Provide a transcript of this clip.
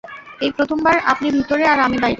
এই প্রথমবার, আপনি ভিতরে আর আমি বাইরে।